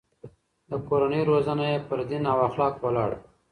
د کورنۍ روزنه يې پر دين او اخلاقو ولاړه وه.